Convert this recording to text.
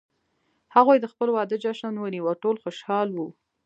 هغوی د خپل واده جشن ونیو او ټول خوشحال وو